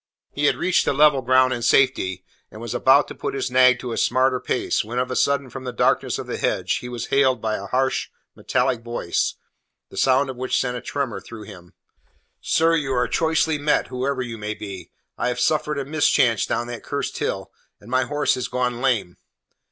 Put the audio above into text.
He had reached the level ground in safety, and was about to put his nag to a smarter pace, when of a sudden from the darkness of the hedge he was hailed by a harsh, metallic voice, the sound of which sent a tremor through him. "Sir, you are choicely met, whoever you may be. I have suffered a mischance down that cursed hill, and my horse has gone lame."